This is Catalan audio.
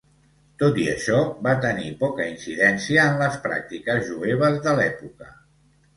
Tot i això, va tenir poca incidència en les pràctiques jueves de l'època.